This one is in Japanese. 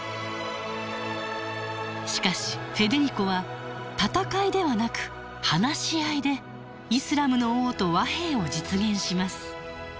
しかしフェデリコは戦いではなく話し合いでイスラムの王と和平を実現します。